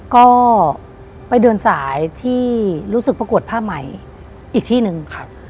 ก็ไปเดินสายที่รู้สึกประกวดผ้าใหม่อีกที่หนึ่งครับ